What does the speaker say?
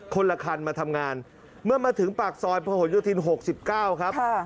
คนละคันมาทำงานเมื่อมาถึงปากซอยพยหกสิบเก้าครับค่ะ